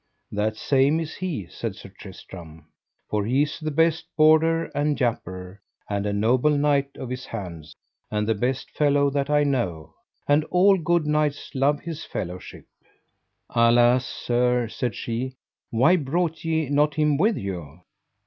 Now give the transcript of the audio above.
That same is he, said Sir Tristram, for he is the best bourder and japer, and a noble knight of his hands, and the best fellow that I know, and all good knights love his fellowship. Alas, sir, said she, why brought ye not him with you?